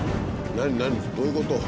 どういうこと？